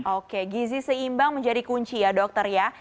oke gizi seimbang menjadi kunci ya dokter ya